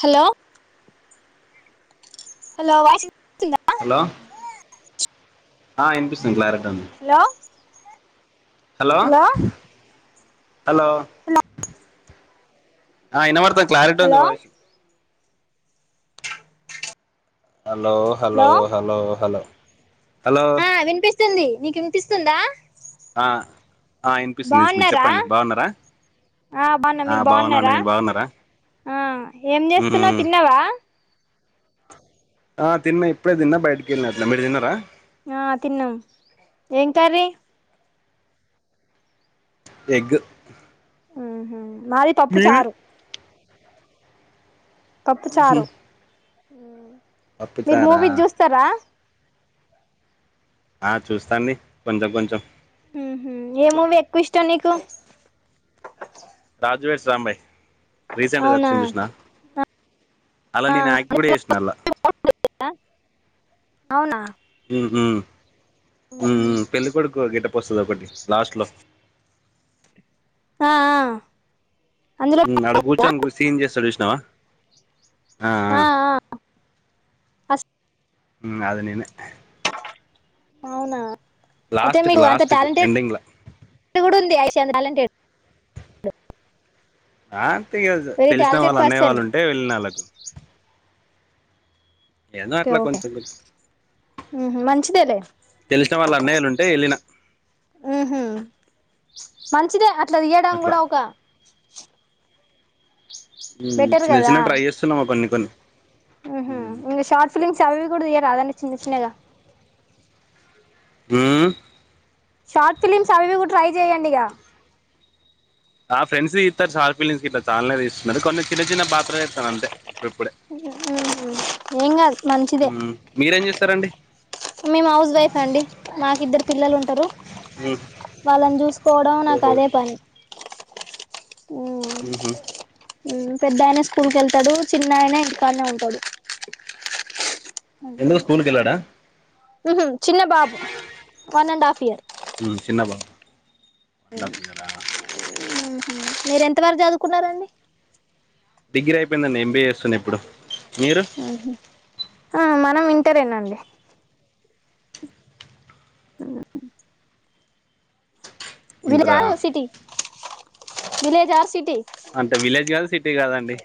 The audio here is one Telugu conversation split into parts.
హలో హలో వా [unintelligible] హలో [inaudible] ఆ వినిపిస్తుంది క్లారిటీగా హలో హలో హలో ఆ వినపడుతుంది క్లారిటీ ఉంది hello voice hello hello hello hello hello ఆ వినిపిస్తుంది నీకు వినిపిస్తుందా ఆ వినిపిస్తుంది బాగున్నారా చెప్పండి బాగున్నారా ఆ బాగున్న ఆ మీరు బాగున్నామండి బాగున్నారా మీరు బాగున్నారా ఆ ఏం చేస్తున్నవ్ మ్మ్ తిన్నావా ఆ తిన్న ఇప్పుడే తిన్నా బయటకి వెళ్ళిన అట్లా మీరు తిన్నారా ఆ తిన్నాం ఏం కర్రీ ఎగ్ మాది పప్పు మీది చారు పప్పు చారు మీరు పప్పుచారా మూవీ చూస్తారా ఆ చూస్తాండి కొంచెం కొంచెం మ్మ్ హ్హ్ ఏ మూవీ ఎక్కువ ఇష్టం నీకు రాజువెడ్స్ రాంబాయ్ రీసెంట్ గా అవునా వచ్చింది చూసినవ అన్లా నేను యాక్ట్ కూడా చేసిన అల్లా అవునా మ్మ్ హ్హ్ ఉహు మ్మ్ పెళ్ళికొడుకు గెటప్ వస్తది ఒకటి లాస్ట్ లో హా హా ఆడ కూర్చొని ఒక సీన్ చేస్తాడు చూసినావా అ అ ఆ ఆ అస్ అది నేనే అవునా అయితే లాస్ట్కి మీకు అంత లాస్ట్కి టాలెంట్ ఎండింగ్ల కూడా ఉంది టాలెంటెడ్ ఆ అంతియిగా వెరీ తెలిసిన వాళ్ళ టాలెంటెడ్ అన్నయ్య పర్సన్ వాళ్ళు ఉంటే వెళ్ళిన అన్లకు ఏదో అట్లా కొంచెం కొంచెం మంచిదే లే తెలిసిన వాళ్ళ అన్నయ్యలు ఉంటే వెళ్ళిన మ్మ్ హ్హ్ మంచిదే అట్లా తీయడం అట్లా కూడా ఒక బెటర్ చిన్న చిన్నగా ట్రై చేస్తున్నాము కొన్ని కొన్ని మ్మ్ హ్ ఇంకా షార్ట్ ఫిలిమ్స్ అవి కూడా తీయరాదండి చిన్న చిన్నగా మ్మ్ హ్ షార్ట్ ఫిలిమ్స్ అవ్వి కూడా ట్రై చేయండి ఇగ ఆ ఫ్రెండ్స్ తీస్తారు షార్ట్ ఫిలిమ్స్ గిట్ల చాలానే తీస్తున్నారు కొన్ని చిన్న చిన్నవి పాత్రలు చేస్తాను అంతే ఇప్పుడే ఉహు ఏం కాదు మీరేం చేస్తారండి నేను హౌస్ వైఫ్ అండి మాకు ఇద్దరు పిల్లలు ఉంటారు మ్ వాళ్ళని చూసుకోవడం నాకు ఓహో అదే పని మ్ హు మ్మ్ పెద్దయన స్కూల్ కి వెళ్తాడు చిన్నయన ఇంటికాన్నే ఉంటాడు ఎందుకు స్కూల్కి వెళ్ళాడా మ్మ్ హ్ చిన్న బాబు వన్ అండ్ హాఫ్ ఇయర్ మ్మ్ చిన్న బా మీరు ఎంతవరకు చదువుకున్నారండి డిగ్రీ అయిపోయిందండి ఎంబీఏ చేస్తున్న ఇప్పుడు మీరు ఆ మనం ఇంటరేనండి ఆ విలేజా ఇంటరా ఆ సిటీ విలేజా అ సిటీ అంటే విలేజ్ కాదు సిటీ కాదండి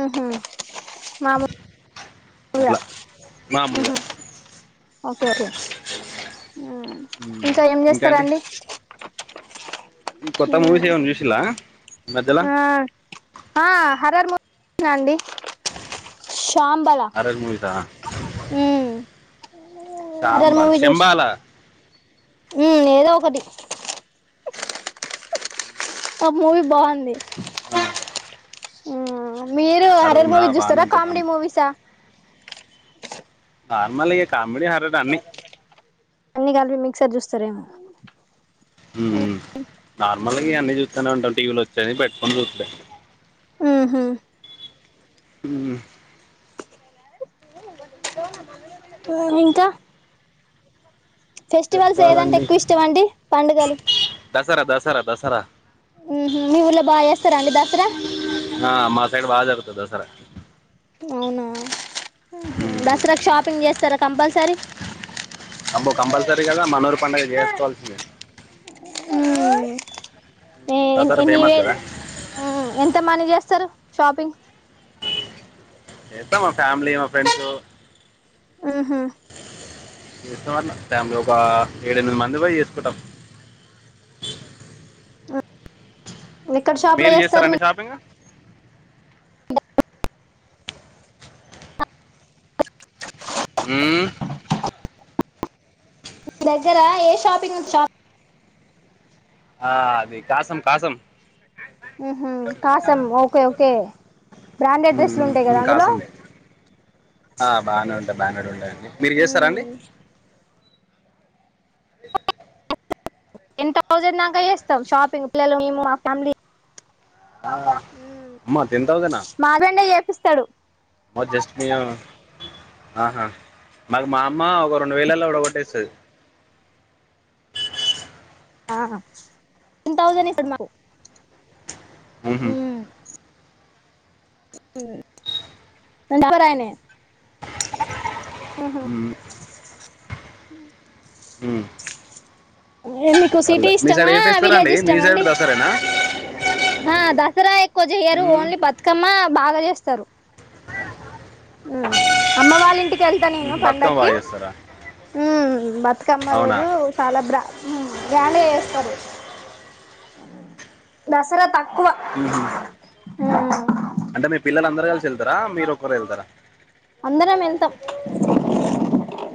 ఉహు మామూలుగా అట్లా మాముూలుగా ఉహు ఓకే ఓకే ఇంకా ఏం చేస్తారండి ఈ కొత్త మూవీస్ ఏమన్నా చూసి లా ఆ ఆ హర్రర్ మూవీ చుసిన అండి సాంబల హర్రర్ మూవీసా హు సాంబలా శంబల ఉ ఏదో ఒకటి ఆ మూవీ బావుంది హు మీరు హర్రర్ మూవీస్ బాగానే చూస్తారా ఉంటుంది బానే కామెడీ మూవీస్ ఆ నార్మల్ ఇగ కామెడీ హర్రర్ అన్ని అన్ని కలిపి మిక్సర్ చూస్తారేమో హు నార్మల్ ఇగ అన్నీ చూస్తానే ఉంటాం టీవీల వచ్చేయి పెట్టుకొని సూత్తం ఉహు హు ఉ ఇంకా ఫెస్టివల్స్ ఏదంటే చెప్పాలండి ఎక్కువ ఇష్టం అండి పండుగలు దసరా దసరా దసరా ఉహు మీ ఊర్లో బాగా చేస్తారా అండి దసరా ఆ మా సైడ్ బా జరుగుతది దసరా అవునా ఆహా ఉమ్, దసరాకు షాపింగ్ చేస్తారా కంపల్సరీ అబ్బో కంపల్సరీ కదా మనూఊరు పండుగ చేసుకోవాల్సిందే హు ఎ దసరా ఎన్ని ఫేమస్ వేలు కదా ఆ ఎంత మంది చేస్తారు షాపింగ్ చేస్తాం మా ఫ్యామిలీ మా ఫ్రెండ్స్ ఉహు చేస్తాం అట్లా ఫ్యామిలీ ఒక ఏడు ఎనిమిది మంది పోయి చేసుకుంటాం ఎక్కడ షాప్ లో మీరు చేస్తారు చేస్తారండి మీ షాపింగ్ హు మీ దగ్గర ఏ షాపింగ్ షా ఆ అది కాసం కాసం ఉహు కాసం ఓకే ఓకే బ్రాండెడ్ మ్మ్, డ్రెస్సులు మ్మ్, ఉంటాయి కదా మ్మ్, అందులో కాసం ఆ బాగానే ఉంటాయి బ్రాండెడ్ ఉంటాయండి మీరు చేస్తారా అండి టెన్ థౌజండ్ దాకా చేస్తాం షాపింగ్ పిల్లలు మేము మా ఫ్యామిలీ ఆ, హు అమ్మ టెన్ మాగండే చేపిస్తాడు ఓ జస్మియా ఆహా మాకు మా అమ్మ ఒక రెండు వేయిల్ల వడ కొట్టేస్తది ఆ టెన్ థాసేండ్ ఇస్తడు మాకు ఉహు హు అంటే ఆఫర్ ఆయన ఊ ఊ మీకు సిటీ సైడ్ ఇష్టమా ఏ ఫెస్టివల్ విలేజ్ అండి మీ ఇష్టమా సైడ్ అండి దసరేనా ఆ దసరా ఎక్కువ చేయరు మ్మ్. ఓన్లీ బతుకమ్మ బాగా చేస్తారు హు అమ్మ వాళ్ళ ఇంటికి వెళ్తా నేను మ్మ్. బతుకమ్మ పండకి బాగా చేస్తారా ఉ బతుకమ్మ అవునా రోజు చాలా బ్రా గ్రాండ్ గా చేస్తారు ఊ దసరా తకు ఉహు అహ అంటే మీ పిల్లలు అందరుూ కలిసి వెళ్తారా మీరు ఒక్కరే వెళ్తారా అందరం వెళ్తాం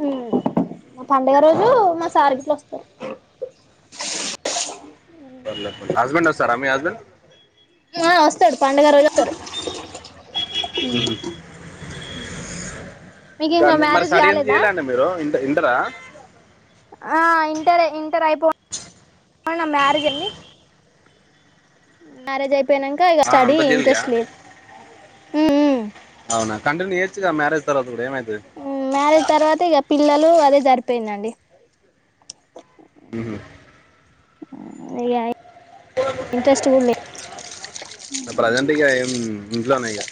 హ్మ్ మా పడుగ రోజు మా సార్గిట్లు వస్తారు [unintelligible] హస్బెండ్ వస్తారా మీ హస్బెండ్ వస్తాడు పండగరోజు వస్తారు హ్మ్ ఇంకా మరి మ్యారేజ్ స్టడీ ఏం కాలేదా చేయలేండి మీరు ఇ ఇంటరా ఆ ఇంటర్ ఇంటర్ అయిపో న మ్యారేజ్ అండి మ్యారేజ్ అయిపోయినాక ఇక ఆ, స్టడీ అంత చేయలేదా ఇంట్రెస్ట్ లేదు హ్మ్ హ్మ్ కంటిన్యూ చేయచ్చుగా మ్యారేజ్ తర్వాత కూడా ఏమవుతుంది మ్యారేజ్ తర్వాత ఇక పిల్లలు అదే సరిపోయిందండి ఉహ ఐయి ప్రజెంట్ ఇకా ఏం ఇంట్లో ట్లోనేగా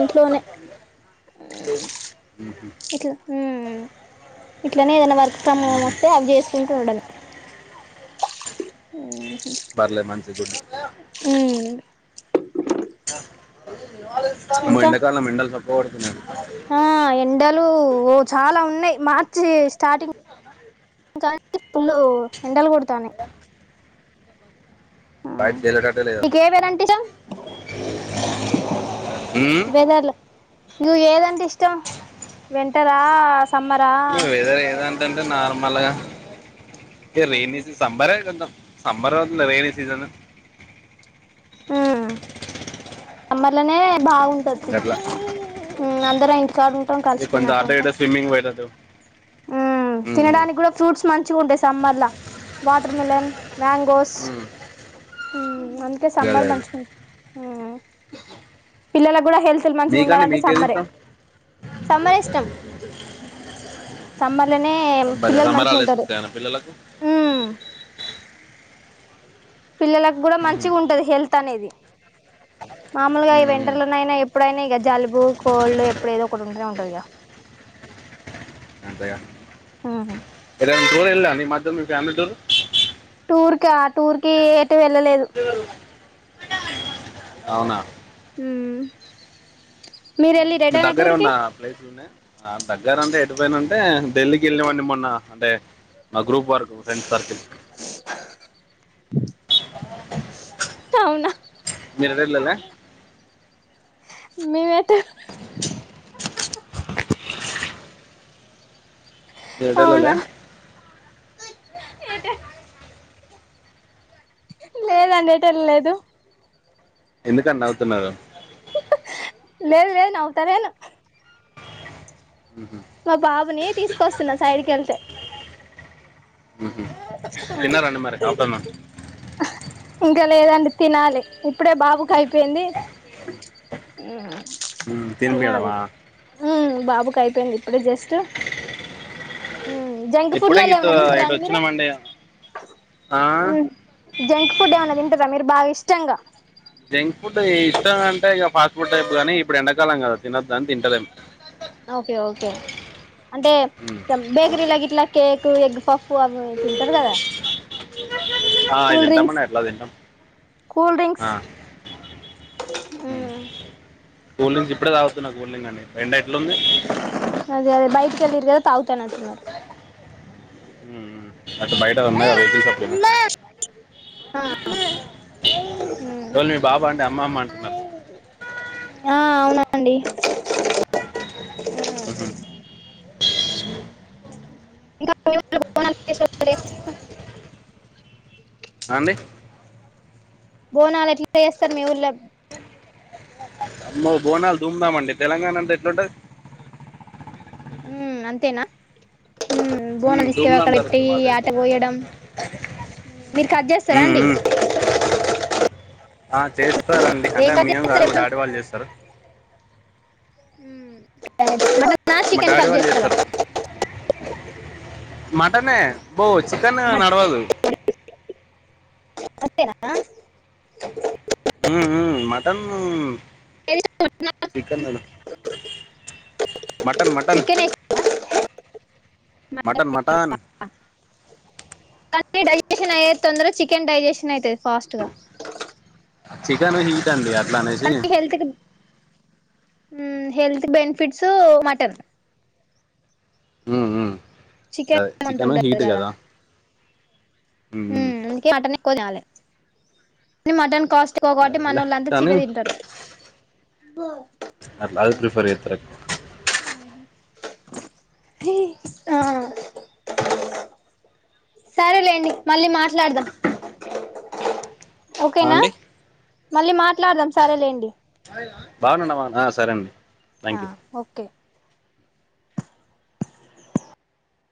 ఇంట్లోనే ఇట్లా హ్మ్ హ్మ్ ఇట్లనే ఏదైనా వర్క్ ఫ్రమ్ హోమ్ వస్తే అవి చేసుకుంటు ఉండడమే ఉమ్మ్ పర్లే మంచిదిగ ఆమ్మో ఇంకా యండకాలం యండలు సొక్క పడుతున్నా ఆ ఎండలు ఓ చాలా ఉన్నాయి మార్చి స్టార్టింగ్ పుల్లు ఎండలు కొడతానై అ బయట చేయలేటట్టే లేదు నీక్ అసలు ఏ వేథెర్ ఇష్టం మ్మ్? వెేదల నీకు ఏదంటే ఇష్టం వెంటరా వెదర్ ఏదంటంటే నార్మల్ గా రెన్ సమ్మరే కొంచం సమ్బర్ వ రెయిని సీజన్ సమ్మర్ లోనే బాగుంట ఉంటది అట్లా అందరం ఇంటికాడ ఉంటాం ఇక కొంచెం కలిసిపోయినట్టు అటు ఉంటాం ఇటు స్విమ్మింగ్ పోయేటట్టు ఉ మ్మ్, మ్మ్. తినడానికి కూడా ఫ్రూట్స్ మంచిగా ఉంటాయి సమ్మర్లా వాటర్ మిలన్ మ్యాంగోస్ మ్మ్. అందుకే గదే సమ్మర్ అదే మంచిగాంట పిల్లలకు కూడా హెల్త్ మంచిగా మీకండి ఉండాలంటే మీకేది సమ్మరే ఇష్టం సమ్మరే ఇష్టం హ్మ్ సమ్మర్ లోనే సమ్మర్ పిల్లలు సమ్మర్ మంచిగా హాలిడేస్ ఉంటారు వస్తాయన్న పిల్లలకు పిల్లలకు కూడా మ్మ్ మంచిగా ఉంటది హెల్త్ అనేది మామూలుగా ఈ మ్మ్ మ్మ్ వెంటర్లోనయినా ఎప్పుడైనా ఇక జలుబు కోల్డ్ ఎప్పుడ ఏదో ఒకటి ఉంటేనే ఉంటుంది టాధిగా అంతెగా ఇదం టూర్ ఏలేవా ని మాధ్య ఫ్యామిలీ టూర్ టూర్ క టూర్ కి టు వెళ్ళలేదు అవునా హ్మ [inaudible] మీ దగ్గరే ఏమన ప్లేసులు ఉన్నాయా ఆ దగ్గర అంటే ఎడిపోయినంటే ఢిల్లీకి వెళ్ళవాడి మొన్న అంటే మా గ్రూప్ వరకు ఫ్రెండ్ సర్కిల్ అవునా మీరెలాలే మేము ఏటా యలలే ఏంట లేదండి ఏటు వేల లేదు ఎందుకండి నవుతున్నారు లేదు లేదు నవ్వుతాలేను మ్మ్ మా బాబుని, తీసుకొస్తున్నా సైడ్కి కెల్తే మ్మ్ ఆ తిన్నారండి మరి ఆఫ్టర్నూన్ ఇంకా లేదండి తినాలి, ఇప్పుడే బాబుకి అయిపోయింది. మ్మ్ తిన్నాలి తినిపియడమా హ్మ్మ్ బాబుకు అయిపోయింది ఇప్పుడే జస్ట్, హ్మ్మ్ జంక్ ఇప్పుడే ఫుడ్లలో ఇటు ఏమన్నా తిన్ ఇటు మీరు వచ్చినామండి ఆ ఉమ్ జంక్ ఫుడ్ ఏమన్నా తిన్ కదా మీరు బాగా ఇష్టంగా జంక్ ఫుడ్ ఇష్టం అంటే ఇక ఫాస్ట్ ఫుడ్ టైప్ గానీ, ఇప్పుడు ఎండాకాలం కదా తినదు అని తింటలేను. ఓకే ఓకే, అంటే ఉమ్. బేకరీ గిట్లా కేక్ ఎగ్ పఫ్. పువపోయి తింటారు కదా ఆ అయి కూల్ డ్రింక్స్ తింటామండి అంట్ల తింటాం కూల్ డ్రింక్స్ ఆ హ్మ్మ్ కూల్లింగ్స్ ఇప్పుడే తగివొస్తున కూల్లింగ్ అండి ఎండ ఎట్లుంది అదే అదే బైటకి వెల్లూరు కదా తగుతనంటునారు హ్మ్మ్ అట్టు బయట అన్నాక మెడికల్ షాప్ కేనా ఎల్లు మీ బాబా అండి అమ్మ అమ్మ అంటున్నారు. ఆ అవునండి ఉహు ఇంకా మీ ఊర్లో బోనాలు ఫెస్టివల్ [inaudible] ఆ అండి బోనాలు ఎట్లా చేస్తారు మీ ఊరులో అమ్మో బోనాలు దూముదామండి, తెలంగాణ అంటే ఎట్లుంటంది. ఉమ్మ్ అంతేనా బొన్నాం ఉమ్, తీసుకుపోయి ధూమ్ధామ్ అక్కడయెట్టి జరుగుతుంది మా సైడ్ యాటా కొయ్యడం మీరు కట్ చేస్తారా ఉమ్, అండి. ఉమ్. ఆ చేస్తారండి, ఏం అంటే కట్ మేం కాదు, చేస్తారు మా ఎప్పుడు డాడీ వాళ్ళు చేస్తారు. హుమ్ మట్టన్ నా మా చికెన్ డాడీ కట్ వాళ్ళు చేస్తార. చేస్తారు మటనే పో చికెన్ నడవాదు. అంతేనా ఉమ్ ఉమ్ మటన్ ఏది, [unintelligible] నర్, చికెన్ న్ mutton, mutton mutton, chicken mutton కానీ డైజెషన్ అయేది తొందరగా, చికెన్ డైజెషన్ అయితది ఫాస్ట్ గా, చికెన్ హీట్ అండి అట్లా అనేసి కానీ హెల్త్ కి బ్ హుమ్, హెల్త్ బెనిఫిట్స్ మటన్. ఉమ్ ఉమ్, చికెన్ అంత చికెను హీట్ కదా. మ్మ్ ఉమ్, అందుకే మటన్ ఎక్కువ తినాలి మటన్ కాస్ట్ ఎక్కువ కోబట్టి, అదేలే మనల్లొంత కానీ చికెన్ తింటారు. అట్లా అది ప్రిఫర్ చేత్తారు. ఎక్ ది, ఆ సరేలేండి, మళ్ళీ మాట్లాడదాం. ఆ ఓకేనా, అండి మళ్ళీ మాట్లాడదాం, సరేలేండి. బాగునన్నవ, ఆ సరే అండి. హా థ్యాంక్ యూ ఓకే